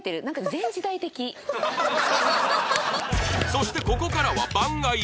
そしてここからは番外編